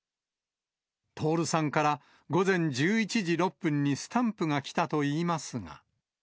徹さんから午前１１時６分にスタンプが来たといいますが。